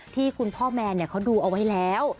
ที่คุณพ่อแมนเขาดูเอาไว้แล้ว